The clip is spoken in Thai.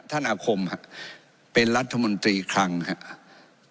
ท่านอาคมฮะเป็นรัฐมนตรีครั้งใช่ไหมฮะ